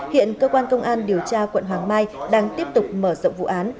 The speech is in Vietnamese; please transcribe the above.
hiện cơ quan công an điều tra quận hoàng mai đang tiếp tục mở rộng vụ án